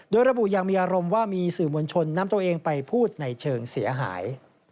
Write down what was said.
โดยระบุยังมีอารมณ์ว่ามีสื่อมวลชนนำตัวเองไปพูดในเชิงเสียหาย